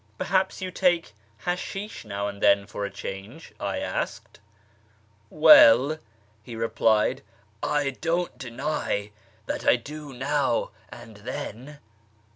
" Perhaps you take hashish now and then for a change ?" I asked. " Well," he replied, " I don't deny that I do now and then."